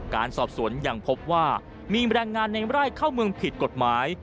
การสอบสวนยังพบว่ามีแรงงานในไร่เข้าเมืองผิดกฎหมาย